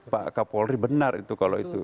pak kapolri benar itu kalau itu